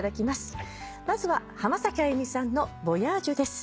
まずは浜崎あゆみさんの『Ｖｏｙａｇｅ』です。